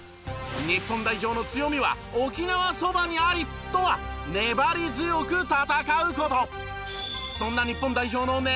「日本代表の強みは沖縄そばにあり！」とは粘り強く戦う事。